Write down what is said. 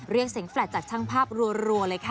เรียกเสียงแฟลตจากช่างภาพรัวเลยค่ะ